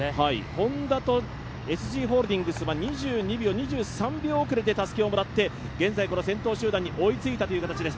ＨｏｎｄａとＳＧホールディングスは２２２３秒遅れでたすきをもらって、現在先頭集団に追いついた形です。